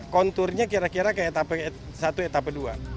konturnya kira kira ke satu etapa dua